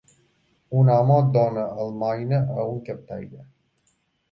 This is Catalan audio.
Un home dona almoina a un captaire.